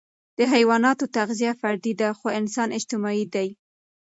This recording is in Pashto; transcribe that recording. د حيواناتو تغذیه فردي ده، خو انسان اجتماعي دی.